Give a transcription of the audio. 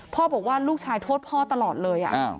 บอกว่าลูกชายโทษพ่อตลอดเลย